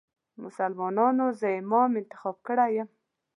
مسلمانانو زه امام انتخاب کړی یم.